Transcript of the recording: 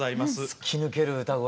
突き抜ける歌声と。